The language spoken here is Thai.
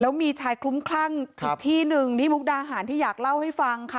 มีชายคลุ้มคลั่งอีกที่หนึ่งที่มุกดาหารที่อยากเล่าให้ฟังค่ะ